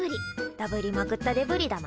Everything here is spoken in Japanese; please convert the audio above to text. ダブりまくったデブリだな。